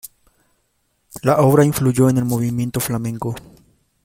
La obra influyó en el movimiento flamenco.